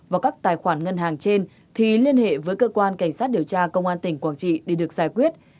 vào các tài khoản ngân hàng trên thì liên hệ với cơ quan cảnh sát điều tra công an tỉnh quảng trị để được giải quyết